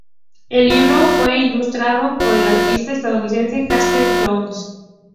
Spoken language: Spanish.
El libro fue ilustrado por el artista estadounidense Jasper Johns.